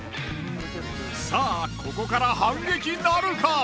さぁここから反撃なるか？